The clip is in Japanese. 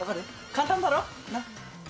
簡単だろ？なっ？